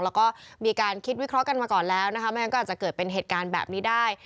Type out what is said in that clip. แล้วก็มีการคิดวิเคราะห์กันมาก่อนแล้วนะคะไม่งั้นก็อาจจะเกิดเป็นเหตุการณ์แบบนี้ได้